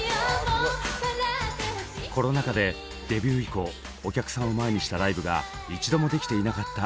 コロナ禍でデビュー以降お客さんを前にしたライブが一度もできていなかったＮｉｚｉＵ。